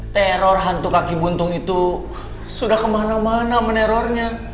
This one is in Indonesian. teror hantu kaki buntung itu sudah kemana mana menerornya